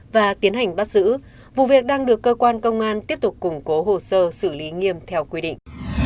và tiến hành bắt giữ vụ việc đang được cơ quan công an tiếp tục củng cố hồ sơ xử lý nghiêm theo quy định